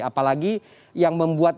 apalagi yang membuat